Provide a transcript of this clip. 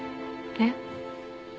えっ？